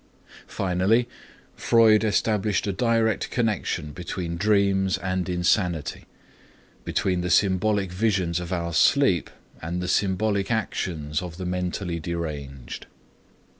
Finally, Freud established a direct connection between dreams and insanity, between the symbolic visions of our sleep and the symbolic actions of the mentally deranged.